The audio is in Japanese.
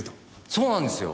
そうなんですよ！